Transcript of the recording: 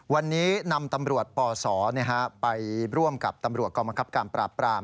วันนี้นำตำรวจปศไปร่วมกับตำรวจกองบังคับการปราบปราม